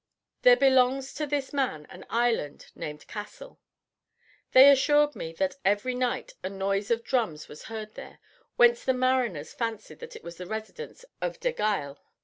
There belongs to this king an island named Cassel. They assured me that every night a noise of drums was heard there, whence the mariners fancied that it was the residence of Degial.